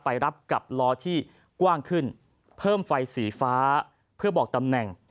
ไปรับกับล้อที่กว้างขึ้นเพิ่มไฟสีฟ้าเพื่อบอกตำแหน่ง